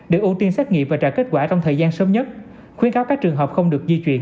để ưu tiên xét nghiệm và trả kết quả trong thời gian sớm nhất khuyến cáo các trường hợp không được di chuyển